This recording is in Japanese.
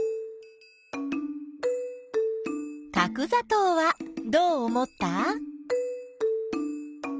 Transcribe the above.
角ざとうはどう思った？